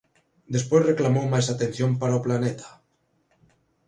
Despois reclamou máis atención para o planeta.